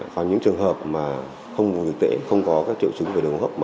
và những trường hợp mà không vùng dịch tễ không có các triệu chứng về đồng hành